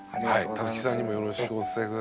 タツキさんにもよろしくお伝え下さい。